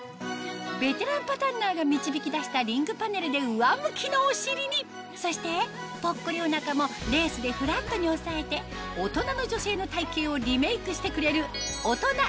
ベテランパタンナーが導き出したリングパネルで上向きのお尻にそしてぽっこりお腹もレースでフラットにおさえて大人の女性の体型をリメイクしてくれるオトナ